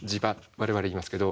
我々言いますけど。